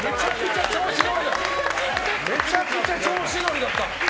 めちゃくちゃ調子乗りだった！